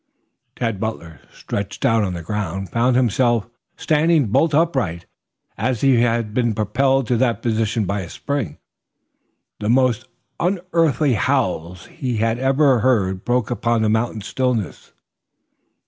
Tad Butler, stretched out on the ground, found himself standing bolt upright as if he had been propelled to that position by a spring. The most unearthly howls he had ever heard broke upon the mountain stillness.